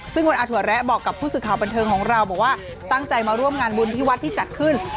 ซึ่งวันอาถั่วแระบอกกับผู้สื่อข่าวบันเทิงของเราบอกว่าตั้งใจมาร่วมงานบุญที่วัดที่จัดขึ้น